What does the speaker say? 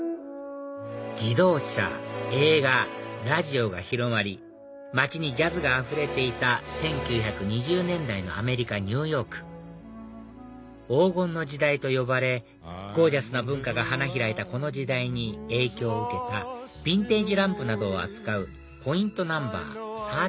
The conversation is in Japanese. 自動車映画ラジオが広まり街にジャズがあふれていた１９２０年代のアメリカニューヨーク黄金の時代と呼ばれゴージャスな文化が花開いたこの時代に影響を受けたビンテージランプなどを扱う「ＰＯＩＮＴＮＯ．３９」